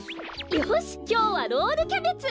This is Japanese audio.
よしきょうはロールキャベツ！